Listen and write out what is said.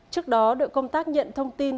trước đó đội công tác nhận thông tin